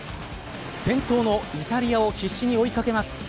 先頭のイタリアを必死に追い掛けます。